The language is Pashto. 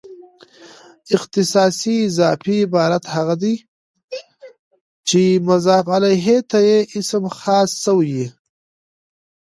اختصاصي اضافي عبارت هغه دئ، چي مضاف الیه ته یو اسم خاص سوی يي.